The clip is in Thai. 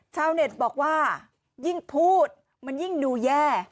ชาวเน็ตบอกว่ายิ่งพูดมันยิ่งดูแย่